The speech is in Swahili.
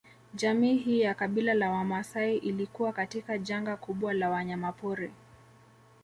Jamii hii ya kabila la Wamaasai ilikuwa katika janga kubwa la wanyama pori